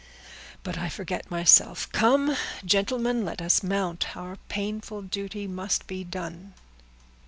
"But I forget myself; come, gentlemen, let us mount, our painful duty must be done."